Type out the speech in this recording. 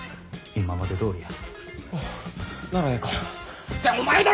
今までどおりや！